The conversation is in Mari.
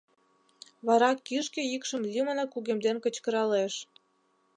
Вара кӱжгӧ йӱкшым лӱмынак кугемден кычкыралеш: